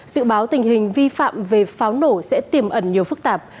dự báo tình hình vi phạm về pháo nổ sẽ tiềm ẩn nhiều phức tạp